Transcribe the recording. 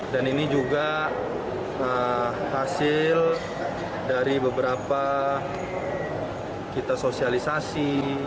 dan ini juga hasil dari beberapa kita sosialisasi